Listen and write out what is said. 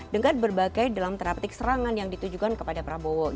dengan berbagai dalam traktik serangan yang ditujukan kepada prabowo gitu